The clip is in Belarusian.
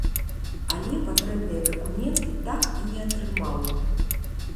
Але патрэбныя дакументы так і не атрымаў.